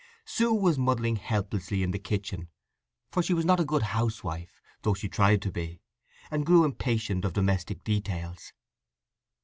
Sue was muddling helplessly in the kitchen, for she was not a good housewife, though she tried to be, and grew impatient of domestic details.